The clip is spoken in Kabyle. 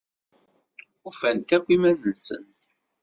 Ufant akk iman-nsent.